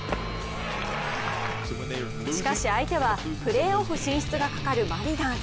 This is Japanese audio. しかし、相手はプレーオフ進出がかかるマリナーズ。